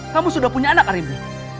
kamu sudah punya anak arib